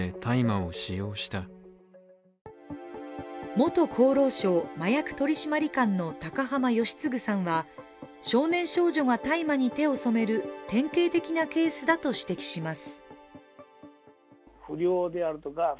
元厚労省、麻薬取締官の高濱良次さんは少年少女が大麻に手を染める典型的なケースだと指摘します。